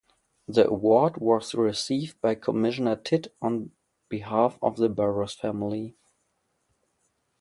The award was received by Commissioner Tidd on behalf of the Burrows family.